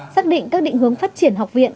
xác định các định hướng phát triển học viện